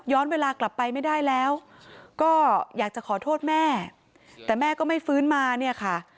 เวลากลับไปไม่ได้แล้วก็อยากจะขอโทษแม่แต่แม่ก็ไม่ฟื้นมาเนี่ยค่ะ